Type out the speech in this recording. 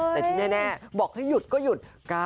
แต่ที่แน่บอกให้หยุดก็หยุด